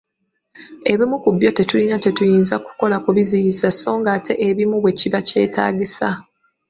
Ebimu ku byo tetulina kye tuyinza kukola kubiziyiza so ng'ate ebimu bwe kiba kyetaagisa.